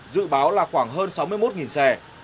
dự báo là khoảng hơn sáu mươi một xe